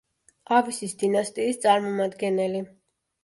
ავისის დინასტიის წარმომადგენელი.